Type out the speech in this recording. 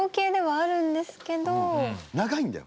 長いんだよ。